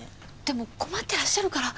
でも困ってらっしゃるから。